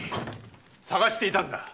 捜していたんだ。